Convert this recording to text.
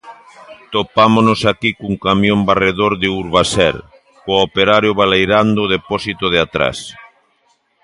Topámonos aquí cun camión varredor de Urbaser, co operario baleirando o depósito de atrás.